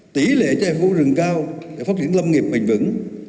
tỷ lệ trẻ phố rừng cao để phát triển lâm nghiệp bình vững